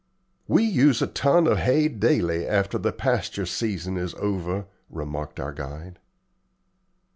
"We use a ton of hay daily, after the pasture season is over," remarked our guide.